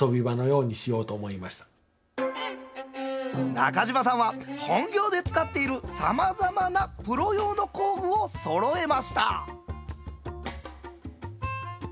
中島さんは本業で使っているさまざまなプロ用の工具をそろえました。